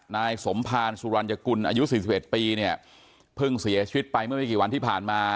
นายสมภารสุรรณกุลอายุ๔๑ปีเนี่ยเพิ่งเสียชีวิตไปเมื่อไม่กี่วันที่ผ่านมา